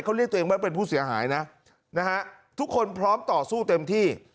เขาเรียกตัวเองว่าเป็นผู้เสียหายนะนะฮะทุกคนพร้อมต่อสู้เต็มที่